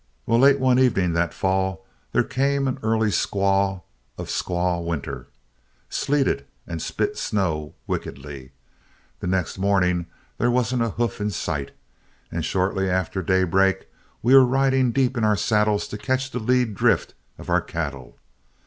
Well, late one evening that fall there came an early squall of Squaw winter, sleeted and spit snow wickedly. The next morning there wasn't a hoof in sight, and shortly after daybreak we were riding deep in our saddles to catch the lead drift of our cattle.